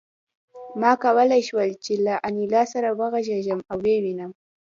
ما کولای شول چې له انیلا سره وغږېږم او ویې وینم